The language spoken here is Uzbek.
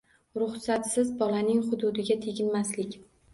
Ruxsatsiz bolaning hududiga teginmaslik.